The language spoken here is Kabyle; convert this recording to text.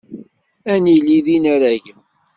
Ad nili d inaragen.